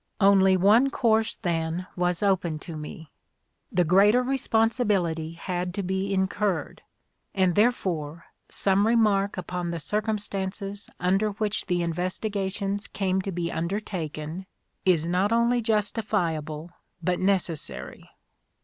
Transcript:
Only one course then was 13 I4 INTRODUCTION .•• open to me. The greater responsibility had to be incurred ; and therefore some remark upon the circumstances under which the investigations came to be undertaken is not only justifiable but necessary.